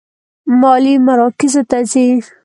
مالي مراکزو ته ځي.